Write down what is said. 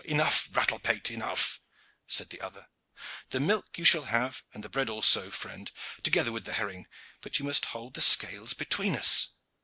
"Enough, rattle pate, enough!" said the other. "The milk you shall have and the bread also, friend, together with the herring, but you must hold the scales between us."